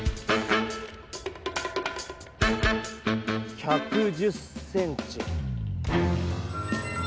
１１０ｃｍ。